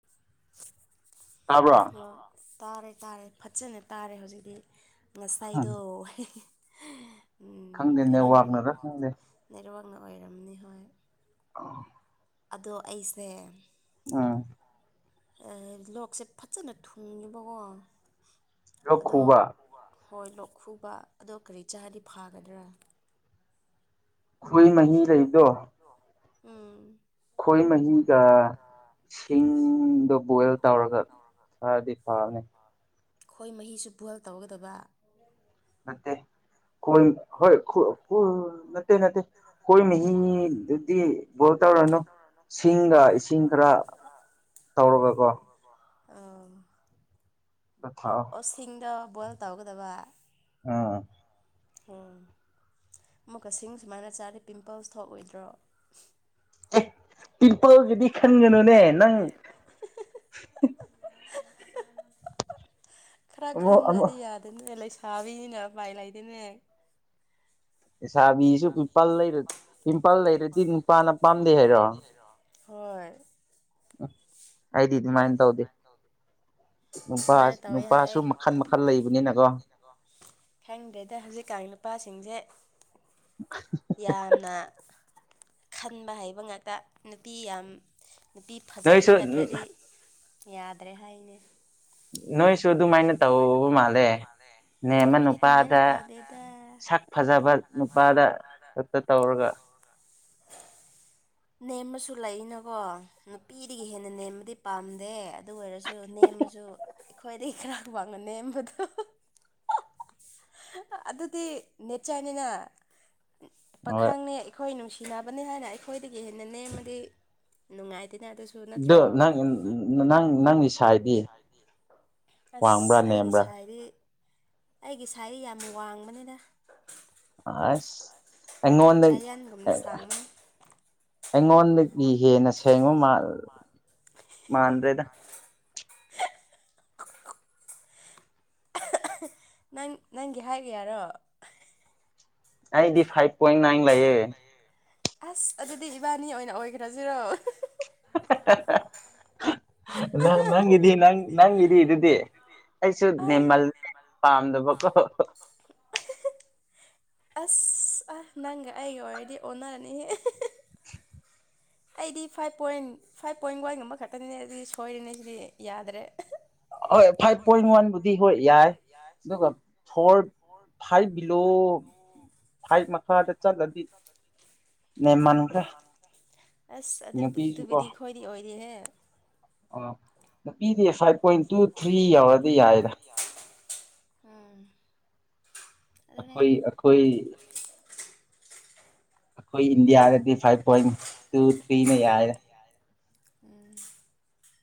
[inaudible] ꯇꯥꯕ꯭ꯔꯣ ꯑ ꯇꯥꯔꯦ ꯇꯥꯔꯦ ꯐꯠꯖꯅ ꯇꯥꯔꯦ ꯍꯧꯖꯤꯛꯇꯤ ꯉꯁꯥꯏꯗꯣ ꯎꯝ ꯀꯩꯅꯣ ꯅꯪ ꯅꯦꯠꯋꯥꯛꯗꯨꯅ ꯅꯦꯠꯋꯥꯔꯛꯅ ꯑꯣꯏꯔꯝꯅꯤ ꯍꯣꯏ ꯑꯣ ꯑꯗꯣ ꯑꯩꯁꯦ ꯑꯥ ꯑ ꯂꯣꯛꯁꯦ ꯐꯖꯅ ꯊꯨꯡꯉꯦꯕꯀꯣ ꯑꯗꯣ ꯂꯣꯛ ꯈꯨꯕ꯭ꯔꯥ ꯍꯣꯏ ꯂꯣꯛ ꯈꯨꯨꯕ ꯑꯗꯣ ꯀꯔꯤ ꯆꯥꯔꯗꯤ ꯐꯥꯒꯗ꯭ꯔꯥ ꯈꯣꯍꯤ ꯃꯍꯤ ꯂꯩꯕꯗꯣ ꯎꯝ ꯈꯣꯏ ꯃꯍꯤꯒ ꯁꯤꯡꯗꯣ ꯕꯣꯏꯜ ꯇꯧꯔꯒ ꯊꯛꯑꯗꯤ ꯐꯕꯅꯤ ꯈꯣꯏ ꯃꯍꯤꯁꯨ ꯕꯣꯏꯜ ꯇꯧꯒꯗꯕ ꯅꯠꯇꯦ ꯈꯣꯏ ꯍꯣꯏ ꯈꯣ ꯎ ꯅꯠꯇꯦ ꯅꯠꯇꯦ ꯈꯣꯏ ꯃꯍꯤꯗꯨꯗꯤ ꯕꯣꯏꯜ ꯇꯧꯔꯅꯨ ꯁꯤꯡꯒ ꯏꯁꯤꯡ ꯈꯔ ꯇꯧꯔꯒꯀꯣ ꯑꯥ ꯆꯥꯊꯛꯑꯣ ꯁꯤꯡꯗ ꯕꯣꯏꯜ ꯇꯧꯒꯗꯕ ꯑ ꯑꯣ ꯑꯃꯨꯛ ꯀꯁꯤꯡ ꯁꯨꯃꯥꯏꯅ ꯆꯥꯗꯦ ꯄꯤꯝꯄꯜꯁ ꯊꯣꯛꯑꯣꯏꯗ꯭ꯔꯣ ꯑꯦ ꯄꯤꯝꯄꯜꯒꯤꯗꯤ ꯈꯟꯒꯅꯨꯅꯦ ꯅꯪ ꯈꯔ ꯈꯟꯗ꯭ꯔꯗꯤ ꯌꯥꯗꯦꯅꯦ ꯂꯩꯁꯥꯕꯤꯅꯤꯅ ꯎꯄꯥꯢ ꯂꯩꯇꯦꯅꯦ ꯂꯩꯁꯥꯕꯤꯁꯨ ꯄꯤꯝꯄꯜ ꯂꯩꯔ ꯄꯤꯝꯄꯜ ꯂꯩꯔꯗꯤ ꯅꯨꯄꯥꯅ ꯄꯥꯝꯗꯦ ꯍꯥꯏꯔꯣ ꯍꯣꯏ ꯑꯩꯗꯤ ꯑꯗꯨꯃꯥꯏꯟ ꯇꯧꯗꯦ ꯅꯨꯄꯥ ꯅꯨꯄꯥꯁꯨ ꯃꯈꯟ ꯃꯈꯟ ꯂꯩꯕꯅꯤꯅꯀꯣ ꯈꯪꯗꯦꯗ ꯍꯧꯖꯤꯛꯀꯥꯟꯒꯤ ꯅꯨꯄꯥꯁꯤꯡꯖꯦ [unintelligible] ꯌꯥꯝꯅ ꯈꯟꯕ ꯍꯩꯕ ꯉꯥꯛꯇ ꯅꯨꯄꯤ ꯌꯥꯝ ꯅꯨꯄꯤ ꯐꯖꯕꯤ ꯅꯠꯇ꯭ꯔꯗꯤ ꯌꯥꯗ꯭ꯔꯦ ꯍꯥꯏꯅꯦ ꯅꯣꯏꯁꯨ ꯑꯗꯨꯃꯥꯏꯅ ꯇꯧꯕ ꯃꯥꯜꯂꯦ ꯅꯦꯝꯃ ꯅꯨꯄꯥꯗ ꯁꯛ ꯐꯖꯕ ꯅꯨꯄꯥꯗ ꯈꯛꯇ ꯇꯧꯔꯒ [unintelligible] ꯅꯦꯝꯕꯁꯨ ꯂꯩꯅꯀꯣ ꯅꯨꯄꯤꯗꯒꯤ ꯍꯦꯟꯅ ꯅꯦꯝꯕꯗꯤ ꯄꯥꯝꯗꯦ ꯑꯗꯨ ꯑꯣꯏꯔꯁꯨ ꯁꯨ ꯅꯦꯝꯕꯁꯨ ꯑꯩꯈꯣꯏꯗꯒꯤ ꯈꯔ ꯋꯥꯡꯅ ꯅꯦꯝꯕꯗꯣ ꯑꯗꯨꯗꯤ ꯅꯦꯆꯔꯅꯤꯅ ꯄꯥꯈꯪꯅꯦ ꯑꯈꯣꯏ ꯅꯨꯡꯁꯤꯅꯕꯅꯤ ꯍꯥꯏꯅ ꯑꯩꯈꯣꯏꯗꯒꯤ ꯍꯦꯟꯅ ꯅꯦꯝꯃꯗꯤ ꯅꯨꯡꯉꯥꯏꯇꯦꯅ ꯑꯗꯨꯁꯨ ꯗꯨ ꯅꯠꯇ꯭ꯔꯣ ꯑꯗꯨ ꯅꯪ ꯅꯪ ꯅꯪꯒꯤ ꯁꯥꯏꯗꯤ ꯑꯁ ꯑꯩꯒꯤ ꯁꯥꯏꯗꯤ ꯑꯩꯒꯤ ꯁꯥꯏ ꯌꯥꯝ ꯋꯥꯡꯕꯅꯦꯗ ꯑꯁ ꯑꯩꯉꯣꯟꯗ ꯑ ꯑꯩꯉꯣꯟꯗ ꯑꯩꯉꯣꯟꯗꯒꯤ ꯍꯦꯟꯅ ꯁꯦꯡꯕ ꯃꯥꯟ ꯃꯥꯟꯗꯦ ꯅꯪ ꯅꯪꯒꯤ ꯍꯥꯏ ꯀꯌꯥꯔꯣ ꯑꯩꯗꯤ ꯐꯥꯏꯚ ꯄꯣꯏꯟ ꯅꯥꯏꯟ ꯂꯩꯌꯦ ꯑꯁ ꯑꯗꯨꯗꯤ ꯏꯕꯥꯟꯅꯤ ꯑꯣꯏꯅ ꯑꯣꯏꯒ꯭ꯔꯖꯤꯔꯣ [unintelligible] ꯅꯪ ꯅꯪꯒꯤꯗꯤ ꯅꯪ ꯅꯪꯒꯤꯗꯤ ꯑꯗꯨꯗꯤ ꯑꯩꯁꯨ ꯅꯦꯝꯃꯜꯂꯗꯤ ꯄꯥꯝꯗꯕꯀꯣ [unintelligible] ꯑꯁ ꯑ ꯅꯪꯒ ꯑꯩꯒ ꯑꯣꯏꯔꯗꯤ ꯑꯣꯟꯅꯅꯤꯍꯦ [unintelligible] ꯑꯩꯗꯤ ꯐꯥꯏꯚ ꯄꯣꯏꯟ ꯐꯥꯏꯚ ꯄꯣꯏꯟ ꯋꯥꯟꯒꯨꯝꯕ ꯈꯛꯇꯅꯤꯗ ꯑꯗꯨꯗꯤ ꯁꯣꯏꯔꯦꯅꯦ ꯁꯤꯗꯤ ꯌꯥꯗ꯭ꯔꯦ ꯍꯣꯏ ꯐꯥꯏꯚ ꯄꯣꯏꯟ ꯋꯥꯟꯕꯨꯗꯤ ꯍꯣꯏ ꯌꯥꯏ ꯑꯗꯨꯒ ꯐꯣꯔ ꯐꯥꯏꯚ ꯕꯤꯂꯣ ꯐꯥꯏꯚ ꯃꯈꯥꯗ ꯆꯠꯂꯗꯤ [unintelligible] ꯑꯁ ꯑꯗꯨ ꯑꯗꯨꯕꯨꯗꯤ ꯑꯈꯣꯏꯗꯤ ꯑꯣꯏꯗꯦꯍꯦ ꯑ ꯅꯨꯄꯤꯗꯤ ꯐꯥꯏꯚ ꯄꯣꯏꯟ ꯇꯨ ꯊ꯭ꯔꯤ ꯌꯧꯔꯗꯤ ꯌꯥꯔꯦꯗ [unintelligible] ꯎꯝ ꯑꯗꯨꯅꯦ [unintelligible] ꯑꯈꯣꯏ ꯏꯟꯗꯤꯌꯥꯗꯗꯤ ꯐꯥꯏꯚ ꯄꯣꯏꯟ ꯇꯨ ꯊ꯭ꯔꯤꯅ ꯌꯥꯔꯦꯗ ꯎꯝ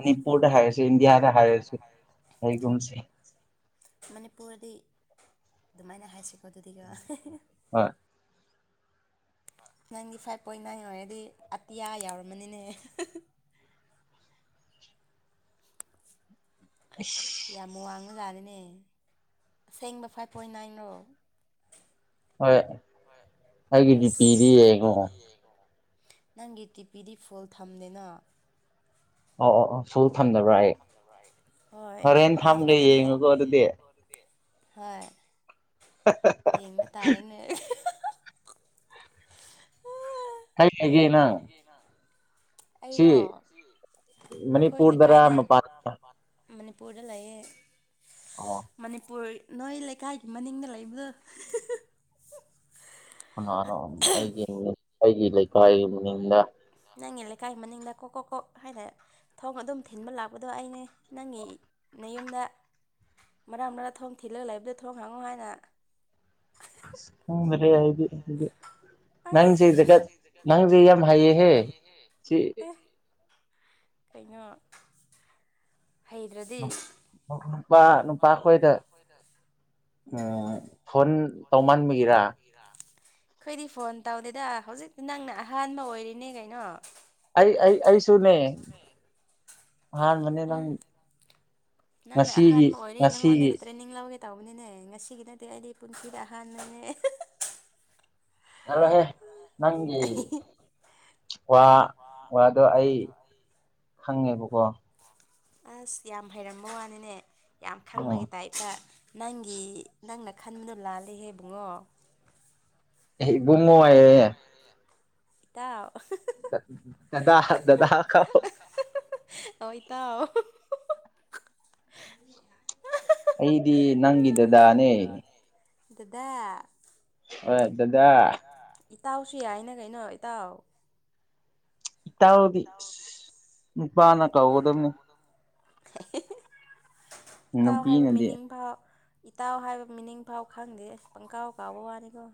ꯃꯅꯤꯄꯨꯔꯗ ꯍꯥꯏꯔꯁꯦ ꯏꯟꯗꯤꯌꯥꯗ ꯍꯥꯏꯔꯁꯨ ꯂꯩꯒꯨꯝꯁꯦ ꯃꯅꯤꯄꯨꯔꯗꯤ ꯑꯗꯨꯃꯥꯏꯅ ꯍꯥꯏꯁꯤꯀꯣ ꯑꯗꯨꯗꯤꯀꯣ ꯍꯣꯏ ꯅꯪꯗꯤ ꯐꯥꯏꯚ ꯄꯣꯏꯟ ꯅꯥꯏꯟ ꯑꯣꯏꯔꯗꯤ ꯑꯇꯤꯌꯥ ꯌꯥꯎꯔꯝꯃꯅꯤꯅꯦ [unintelligible] ꯑꯩꯁ ꯌꯥꯝ ꯋꯥꯡꯕꯖꯥꯠꯅꯤꯅꯦ ꯑꯁꯦꯡꯕ ꯐꯥꯏꯚ ꯄꯣꯏꯟ ꯅꯥꯏꯟꯔꯣ ꯍꯣꯏ ꯑꯁ ꯑꯩꯒꯤ ꯗꯤꯄꯤꯗ ꯌꯦꯡꯉꯣ ꯅꯪꯒꯤ ꯗꯤꯄꯤꯗꯤ ꯐꯨꯜ ꯊꯝꯗꯦꯅ ꯑꯣ ꯑꯣ ꯑꯣ ꯐꯨꯜ ꯊꯝꯗꯕ꯭ꯔꯥ ꯑꯩ ꯍꯣꯔꯦꯟ ꯊꯝꯒꯦ ꯌꯦꯡꯉꯨꯀꯣ ꯑꯗꯨꯗꯤ ꯍꯣꯏ ꯍꯥ ꯍꯥ ꯌꯦꯡꯕ ꯇꯥꯔꯦꯅꯦ ꯀꯥꯏ ꯂꯩꯒꯦ ꯅꯪ ꯑꯩꯔꯣ ꯑꯩꯈꯣꯏ ꯂꯩꯀꯥꯏꯗ ꯃꯅꯤꯄꯨꯔꯗ ꯂꯩꯌꯦ ꯑꯣ ꯃꯅꯤꯄꯨꯔ ꯅꯣꯏ ꯂꯩꯀꯥꯏꯒꯤ ꯃꯅꯤꯡꯗ ꯂꯩꯕꯗꯣ ꯀꯅꯥꯅꯣ ꯑꯩꯒꯤ ꯑꯩꯒꯤ ꯂꯩꯀꯥꯏꯒꯤ ꯃꯅꯤꯡꯗ ꯅꯪꯒꯤ ꯂꯩꯀꯥꯏ ꯃꯅꯤꯡꯗ ꯀꯣ ꯀꯣ ꯀꯣꯛ ꯍꯥꯏꯅ ꯊꯣꯡ ꯑꯗꯨꯝ ꯊꯤꯟꯕ ꯂꯥꯛꯄꯗꯣ ꯑꯩꯅꯦ ꯅꯪꯒꯤ ꯅꯌꯨꯝꯗ ꯃꯔꯥꯡ ꯃꯔꯥꯡ ꯊꯣꯡ ꯊꯤꯜꯂꯒ ꯂꯩꯥꯕꯗꯣ ꯊꯣꯡ ꯍꯥꯡꯉꯣ ꯍꯥꯏꯅ ꯎꯈꯔꯦ ꯑꯩꯗꯤ ꯅꯪꯁꯦ ꯅꯪꯁꯦ ꯍꯧꯖꯤꯛꯀꯥꯟ ꯅꯪꯁꯦ ꯌꯥꯝ ꯍꯥꯏꯌꯦꯍꯦ ꯁꯤ ꯀꯩꯅꯣ ꯍꯩꯗ꯭ꯔꯗꯤ ꯅꯨꯄꯥ ꯅꯨꯄꯥ ꯈꯣꯏꯗ ꯑꯩꯈꯣꯏꯗ ꯑꯥ ꯐꯣꯟ ꯇꯧꯃꯟꯕꯒꯤꯔꯥ ꯑꯩꯈꯣꯏꯗꯤ ꯐꯣꯟ ꯇꯧꯗꯦꯗ ꯍꯧꯖꯤꯛꯇ ꯅꯪꯅ ꯑꯍꯥꯟꯕ ꯑꯣꯏꯔꯤꯅꯤ ꯀꯩꯅꯣ ꯑꯩ ꯑꯩ ꯑꯩꯁꯨꯨꯅꯦ ꯑꯍꯥꯟꯕꯅꯦ ꯅꯪ ꯉꯁꯤꯒꯤ ꯉꯁꯤꯒꯤ ꯇ꯭ꯔꯦꯅꯤꯡ ꯂꯧꯒꯦ ꯇꯧꯕꯅꯤꯅꯦ ꯉꯁꯤꯒꯤ ꯅꯠꯇꯦ ꯑꯩꯗꯤ ꯄꯨꯟꯁꯤꯗ ꯑꯍꯥꯟꯕꯅꯦ ꯆꯠꯂꯣꯍꯦ ꯅꯪꯒꯤ ꯋꯥ ꯋꯥꯗꯣ ꯑꯩ ꯍꯪꯉꯦꯕꯀꯣ ꯑꯁ ꯌꯥꯝ ꯍꯩꯔꯝꯕ ꯋꯥꯅꯤꯅꯦ ꯌꯥꯝ ꯈꯪꯕꯒꯤ ꯇꯥꯏꯞ ꯑꯥ ꯅꯪꯒꯤ ꯅꯪꯅ ꯈꯟꯕꯗꯣ ꯂꯥꯜꯂꯤꯍꯦ ꯕꯨꯡꯉꯣ ꯑꯦ ꯏꯕꯨꯡꯉꯣꯌꯦ ꯏꯇꯥꯎ ꯗꯥ ꯗꯗꯥ ꯀꯧꯑꯣ ꯍꯥꯍꯥ ꯑꯣꯏꯠ ꯏꯇꯥꯎ ꯑꯩꯗꯤ ꯅꯪꯒꯤꯗꯥꯗꯥꯅꯦ ꯗꯥꯗꯥ ꯑꯣꯏ ꯗꯥꯗꯥ ꯏꯇꯥꯎꯁꯨ ꯌꯥꯏꯅ ꯀꯩꯅꯣ ꯏꯇꯥꯎ ꯏꯇꯥꯎꯗꯤ ꯏꯁ ꯅꯨꯄꯥꯅ ꯀꯧꯒꯗꯕꯅꯤ ꯏꯇꯥꯎ ꯍꯥꯏꯕ ꯃꯤꯅꯤꯡꯐꯥꯎ ꯏꯇꯥꯎ ꯍꯥꯏꯕ ꯃꯤꯅꯤꯡꯐꯥꯎ ꯈꯪꯗꯦ ꯏꯁ ꯄꯪꯀꯧ ꯀꯧꯕꯋꯥꯅꯤꯀꯣ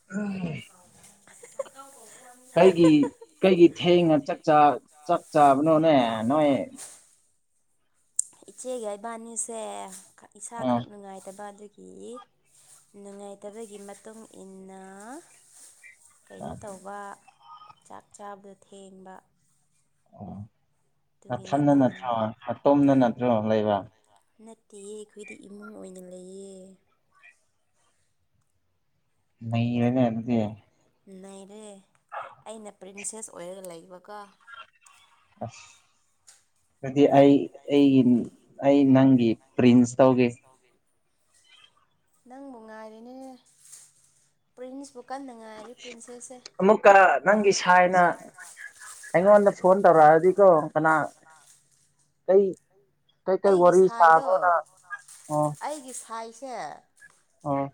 [inaudible] [inaudible] ꯀꯩꯒꯤ ꯀꯩꯒꯤ ꯊꯦꯡꯅ ꯆꯥꯛ-ꯆꯥ ꯆꯥꯛꯆꯥꯕꯅꯣꯅꯦ ꯅꯣꯏ ꯏꯆꯦꯒ ꯏꯕꯥꯅꯤꯁꯦ ꯏꯁꯥ ꯈꯔ ꯅꯨꯡꯉꯥꯏꯇꯕ ꯑꯗꯨꯒꯤ ꯅꯨꯡꯉꯥꯏꯇꯕꯒꯤ ꯃꯇꯨꯡꯏꯟꯅ ꯀꯩꯅꯣꯇꯧ ꯋꯥ ꯆꯥꯛ ꯆꯥꯕꯗꯣ ꯊꯦꯡꯕ ꯅꯊꯟꯗ ꯅꯠꯇ꯭ꯔꯣ ꯅꯇꯣꯝꯗ ꯅꯠꯇ꯭ꯔꯣ ꯂꯩꯕ ꯅꯠꯇꯤꯌꯦ ꯑꯈꯣꯢꯗꯤ ꯏꯃꯨꯡ ꯑꯣꯢꯅ ꯂꯩꯌꯦ ꯅꯩꯔꯦꯅꯦ ꯑꯗꯨꯗꯤ ꯅꯩꯔꯦ ꯑꯩꯅ ꯄ꯭ꯔꯤꯟꯁꯦꯁ ꯑꯣꯢꯔꯒ ꯂꯩꯕꯀꯣ ꯑꯁ ꯑꯗꯤ ꯑꯩ ꯑꯩꯒꯤ ꯑꯩ ꯅꯪꯒꯤ ꯄ꯭ꯔꯤꯟꯁ ꯇꯧꯒꯦ ꯅꯪꯕꯨ ꯉꯥꯢꯔꯦꯅꯦ ꯄ꯭ꯔꯤꯟꯁꯕꯨ ꯀꯟꯅ ꯉꯥꯢꯔꯤ ꯄ꯭ꯔꯤꯟꯁꯦꯁꯁꯦ ꯑꯃꯨꯛꯀ ꯅꯪꯒꯤ ꯁꯥꯢꯅ ꯑꯩꯉꯣꯟꯗ ꯐꯣꯟ ꯇꯧꯔꯛꯑꯗꯤꯀꯣ ꯀꯅꯥ ꯑꯩꯒꯤ ꯁꯥꯢꯗꯣ ꯑꯩꯒꯤ ꯁꯥꯢꯁꯦ ꯑꯣ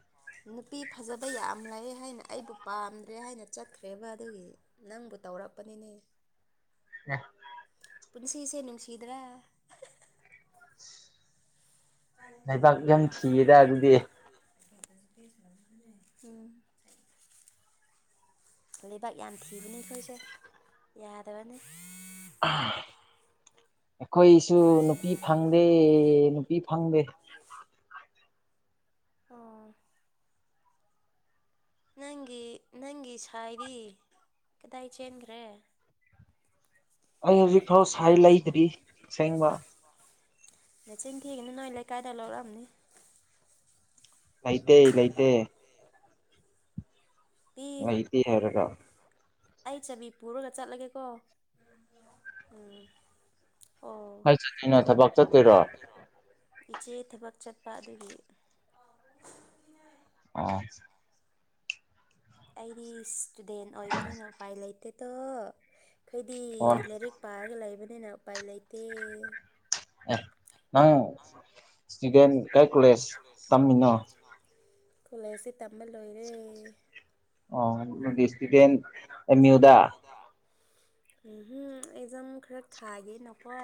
ꯅꯨꯄꯤ ꯐꯖꯕ ꯌꯥꯝ ꯂꯩ ꯍꯥꯢꯅ ꯑꯩꯕꯨ ꯄꯥꯝꯗ꯭ꯔꯦ ꯍꯥꯢꯅ ꯆꯠꯈ꯭ꯔꯦꯕ ꯑꯗꯨꯒꯤ ꯅꯪꯕꯨꯇꯧꯔꯛꯄꯅꯤꯅꯦ [unintelligible] ꯄꯨꯟꯁꯤꯁꯦ ꯅꯨꯡꯁꯤꯗ꯭ꯔꯥ [unintelligible] [unintelligible] [unintelligible] ꯎꯝ ꯂꯩꯕꯥꯛ ꯌꯥꯝ ꯊꯤꯕꯅꯤ ꯑꯩꯈꯣꯢꯁꯦ ꯌꯥꯗꯕꯅꯤ ꯑ ꯑꯈꯣꯢꯁꯨ ꯅꯨꯄꯤ ꯐꯪꯗꯦ ꯅꯨꯄꯤ ꯐꯪꯗꯦ ꯑꯣꯥ ꯅꯪꯒꯤ ꯅꯪꯒꯤ ꯁꯥꯢꯗꯤ ꯀꯗꯥꯢ ꯆꯦꯟꯒ꯭ꯔꯦ [unintelligible] ꯅꯆꯤꯟꯊꯤꯒꯅꯨ ꯅꯣꯢ ꯂꯩꯀꯥꯢꯗ ꯂꯣꯠꯂꯝꯅꯤ ꯂꯩꯇꯦ ꯂꯩꯇꯦ ꯏ [unintelligible] ꯑꯩ ꯆꯕꯤ ꯄꯨꯔꯒ ꯆꯠꯂꯒꯦꯀꯣ [unintelligible] ꯎꯝ ꯀꯥꯏ ꯆꯠꯇꯣꯢꯅꯣ ꯊꯕꯛꯆꯠꯇꯣꯢꯔꯣ ꯏꯆꯦ ꯊꯕꯛ ꯆꯠꯄ ꯑꯗꯨꯒꯤ ꯑꯣ ꯑꯩꯗꯤ ꯏꯁꯇꯨꯗꯦꯟ ꯑꯣꯢꯕꯅꯤꯅ ꯎꯄꯥꯢ ꯂꯩꯇꯦꯇꯣ ꯈꯣꯢꯗꯤ ꯂꯥꯢꯔꯤꯛ ꯄꯥꯔꯒ ꯂꯩꯕꯅꯤꯅ ꯎꯄꯥꯢ ꯂꯩꯇꯦ ꯑꯦ ꯅꯪ ꯏꯁꯇꯨꯗꯦꯟ ꯀꯥꯢ ꯀꯣꯂꯦꯖ ꯇꯝꯃꯤꯅꯣ ꯀꯣꯂꯦꯖꯇꯤ ꯇꯝꯕ ꯂꯣꯢꯔꯦ ꯑꯣ ꯑꯗꯨꯗꯤ [unintelligible] ꯑꯦꯝꯃꯤꯎꯗ ꯎꯝ ꯍꯝ ꯑꯦꯛꯖꯥꯝ ꯈꯔ ꯊꯥꯒꯦꯅꯀꯣ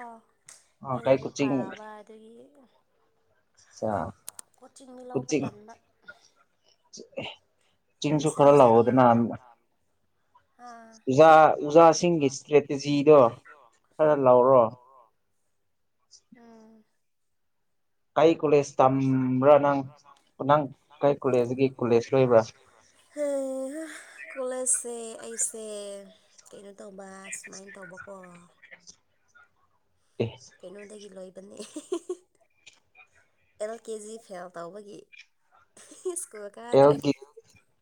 ꯑꯩ ꯂꯥꯢꯔꯤꯛ ꯄꯥꯕ ꯗꯨꯒꯤꯗ ꯀꯣꯆꯤꯡꯅꯤ ꯂꯧꯕ ꯇꯟꯗ [unintelligible] ꯆꯤꯡꯁꯨ ꯈꯔ ꯂꯥꯛꯑꯣꯗꯅ ꯍꯥꯥ ꯖꯥ ꯖꯥꯁꯤꯡꯒꯤ ꯏꯁꯇ꯭ꯔꯦꯇꯖꯤꯗꯣ ꯈꯔ ꯂꯧꯔꯣ ꯎꯝ ꯀꯩ ꯀꯣꯂꯦꯖ ꯇꯝꯕ꯭ꯔꯥ ꯅꯪ ꯅꯪ ꯀꯣꯂꯦꯖꯀꯤ ꯀꯣꯂꯦꯖ ꯂꯣꯢꯕ꯭ꯔꯥ [unintelligible] ꯀꯣꯂꯦꯖꯁꯦ ꯑꯩꯁꯦ ꯀꯩꯅꯣ ꯇꯧꯕ ꯁꯨꯃꯥꯢꯅ ꯇꯧꯕꯀꯣ ꯑꯦꯁ ꯀꯩꯅꯣꯗꯒꯤ ꯂꯣꯏꯕꯅꯦ [unintelligible] ꯑꯦꯜ ꯀꯦ ꯖꯤ ꯐꯦꯜ ꯇꯧꯕꯒꯤ [unintelligible] ꯁ꯭ꯀꯨꯜ ꯀꯥꯗ꯭ꯔꯦ [unintelligible]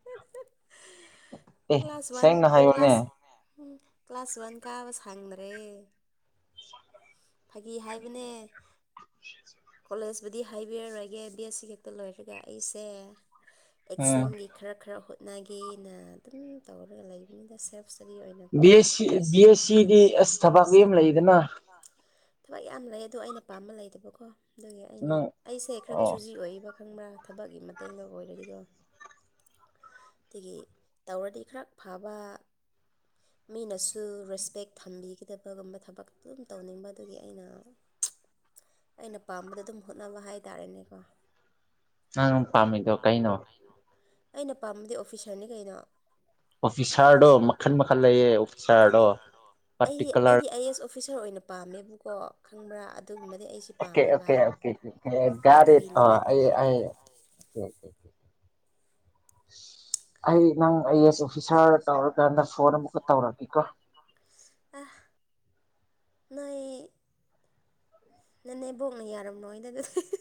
ꯀ꯭ꯂꯥꯁ ꯋꯥꯟ ꯀ꯭ꯂꯥꯁ ꯎꯝ ꯀ꯭ꯂꯥꯁ ꯋꯥꯟ ꯀꯥꯕ ꯁꯥꯡꯗ꯭ꯔꯦ꯫ ꯐꯥꯒꯤ ꯍꯥꯏꯕꯅꯦ꯫ ꯀꯣꯂꯦꯖꯕꯨꯨꯗꯤ ꯍꯥꯏꯕꯤꯔꯔꫭꯏꯒꯦ ꯕꯤ ꯑꯦꯁ ꯁꯤ ꯈꯛꯇ ꯂꯣꯏꯔꯒ ꯑꯩꯁꯦ ꯑꯦꯛꯖꯝꯒꯤ ꯈꯔ-ꯈꯔ ꯍꯣꯠꯅꯒꯦꯅ ꯑꯗꯨꯝ ꯇꯧꯔꯒ ꯂꯩꯕꯅꯤꯗ ꯁꯦꯞ ꯁ꯭ꯇꯗꯤ ꯑꫭꯏꯅꯀꫭ B S C B S C ꯗꯤ ꯑꯁ ꯊꯕꯛ ꯂꯦꯝ ꯂꯩꯗꯅ꯫ ꯊꯕꯛ ꯌꯥꯝ ꯂꯩ ꯑꯗꯣ ꯑꯩꯅ ꯄꯥꯝꯕ ꯂꯩꯇꯕꯀꯣ ꯑꯗꯨꯒꯤ ꯑꯩꯅ ꯑꯩꯁꯦ ꯈꯔ ꯆꯨꯖꯤ ꯑꯣꯏꯌꯦꯕ꯫ ꯈꯪꯕ꯭ꯔꯥ ꯊꯕꯛꯀꯤ ꯃꯇꯦꯡꯗ ꯑꯣꯏꯔꯗꯤꯀꯣ꯫ ꯇꯒꯤ ꯇꯧꯔꯗꯤ ꯈꯔ ꯐꯕ꯫ ꯃꯤꯅꯁꯨ ꯔꯦꯁꯄꯦꯛ ꯊꯝꯕꯤꯒꯗꯕꯒꯨꯝꯕ ꯊꯕꯛ ꯑꯗꯨꯝ ꯇꯧꯅꯤꯡꯕ ꯑꯗꯨꯒꯤ ꯑꯩꯅ ꯑꯩꯅ ꯄꯥꯝꯕꯗ ꯑꯗꯨꯝ ꯍꯣꯠꯅꯕ ꯍꯥꯏꯇꯥꯔꯦꯅꯦꯀꯣ꯫ ꯅꯪꯅ ꯄꯥꯝꯃꯤꯗꯣ ꯀꯩꯅꯣ꯫ ꯑꯩꯅ ꯄꯥꯝꯕꯗꯤ ꯑꯣꯐꯤꯁꯔꯅꯤ ꯀꯩꯅꯣ꯫ ꯑꯣꯐꯤꯁꯥꯔꯗꯣ ꯃꯈꯟ ꯃꯈꯜ ꯂꯩꯌꯦ ꯑꯣꯐꯤꯁꯥꯔꯗꯣ ꯄꯥꯔꯇꯤꯀꯨꯂꯔ ꯑꯩ ꯑꯦꯁ ꯑꯣꯐꯤꯁꯔ ꯑꯣꯏꯅ ꯄꯥꯝꯃꯦꯕꯀꯣ ꯈꯪꯕ꯭ꯔꯥ ꯑꯗꯨꯒꯨꯝꯕꯗꯤ ꯑꯩꯁꯦ okay okay okay [inaudible] guard it ꯑꯩ ꯑꯩ ꯑꯩ [inaudible] ꯑꯩ ꯅꯪ ꯑꯩ ꯑꯦꯁ ꯑꯣꯐꯤꯁꯥꯔ ꯇꯧꯔꯀꯥꯟꯗ ꯐꯣꯟ ꯑꯃꯨꯛꯀ ꯇꯧꯔꯛꯀꯦꯀꯣ꯫ ꯑ ꯅꯣꯏ ꯒꯤ ꯅꯪꯅꯦ ꯕꯣꯛꯅ ꯌꯥꯔꯝꯑꫭꯏꯗ ꯑꯗꯨꯗꯤ [unintelligible]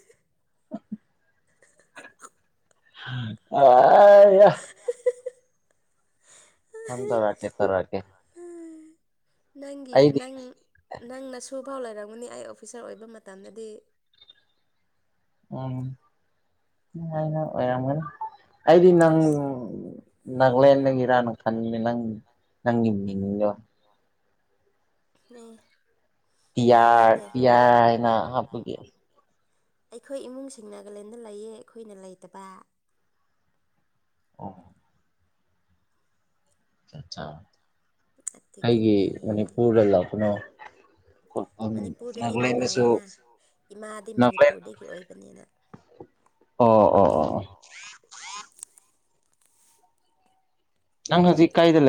[unintelligible] ꯐꯟ ꯇꯧꯔꯛꯀꯦ-ꯇꯧꯔꯛꯀꯦ꯫ [unintelligible] ꯅꯪꯒꯤ ꯅꯪ ꯅꯪ ꯅꯁꯨꯐꯥꯎ ꯂꯩꯔꯝꯒꯅꯤ ꯑꯩ ꯑꯣꯐꯤꯁꯥꯔ ꯑꯣꯏꯕ ꯃꯇꯝꯗꯗꯤ꯫ [inaudible] ꯑꯣꯏꯔꯝꯒꯅꯤ ꯑꯩꯗꯤ ꯅꯪ ꯅꯥꯒ꯭ꯂꯦꯟꯗꯒꯤꯔꯥꯅ ꯈꯟꯕꯅꯦ ꯅꯪ ꯅꯪ ꯅꯪꯒꯤ ꯃꯤꯡꯗꫭ꯫ [inaudible] ꯄꯤꯌꯥꯔ ꯄꯤꯌꯥꯔ ꯍꯥꯏꯅ ꯍꯥꯞꯄꯒꯤ꯫ ꯑꯩꯈꯣꯏ ꯏꯃꯨꯡꯁꯤꯡ ꯅꯥꯒꯥꯂꯦꯟꯗ ꯂꯩꯌꯦ ꯑꯩꯈꯣꯏꯅ ꯂꯩꯇꯕ꯫ ꯑꯣ꯫ ꯆꯥꯆꯥ ꯑꯩꯒꯤ ꯃꯅꯤꯄꯨꯔꯗ ꯂꯥꯛꯄꯅꯣ꯫ ꯃꯅꯤꯄꯨꯔꯗꯗꯤ ꯅꯨꯡꯉꯥꯏꯅ ꯏꯃꯥꯗꯤ ꯃꯅꯤꯄꯨꯔꯗꯒꯤ ꯑꯣꯏꯕꯅꯤꯅ꯫ ꯑꯣ ꯑꯣ ꯑꯣ꯫ ꯅꯪ ꯍꯧꯖꯤꯛ ꯀꯥꯏꯗ ꯂꯩ